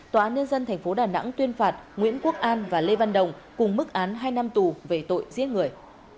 tòa án nhân dân tp đà nẵng tuyên phạt nguyễn quốc an và lê văn đồng cùng mức án hai năm tù về tội giết người